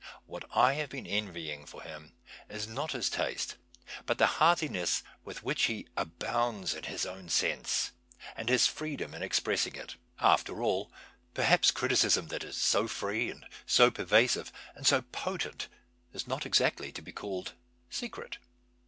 What I have been en\'ying him for is not his taste but the hearti ness with which he " abounds in his own sense " and liis freedom in expressing it. After all, perhaps cri ticism that is so free and so pervasive and so potent is not exactly to be called " secret."